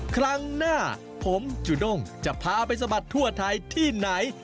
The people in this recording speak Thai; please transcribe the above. ครั้งหน้าผมจุด้งจะพาไปสะบัดทั่วไทยที่ไหน